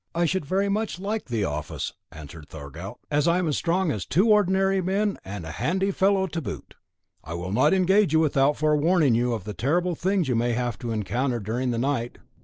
"I should very much like the office," answered Thorgaut. "I am as strong as two ordinary men, and a handy fellow to boot." "I will not engage you without forewarning you of the terrible things you may have to encounter during the winter night."